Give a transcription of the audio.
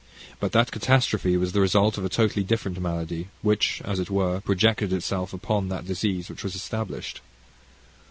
But that catastrophe was the result of a totally different malady, which, as it were, projected itself upon the disease which was established.